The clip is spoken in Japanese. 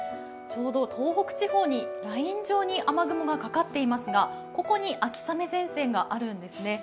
ちょうど東北地方にライン状に雨雲がかかっていますがここに秋雨前線があるんですね。